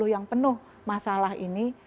yang penuh masalah ini